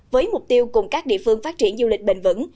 với mục tiêu cùng các địa phương phát triển du lịch bền vững